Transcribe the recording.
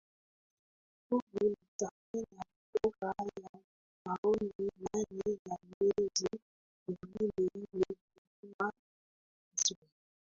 u u litafanya kura ya maoni ndani ya miezi miwili ili kujua hatma